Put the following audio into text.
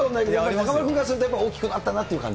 中丸君からすると大きくなったなっていう感じ？